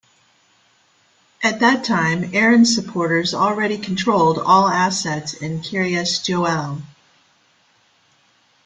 At that time, Aaron supporters already controlled all assets in Kiryas Joel.